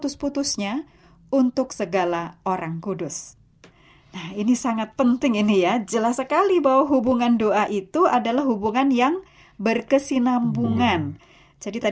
suara pengharapan dimanapun anda berada